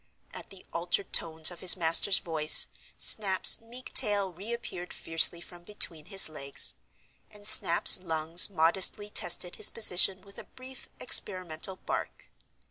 At the altered tones of his master's voice, Snap's meek tail re appeared fiercely from between his legs; and Snap's lungs modestly tested his position with a brief, experimental bark.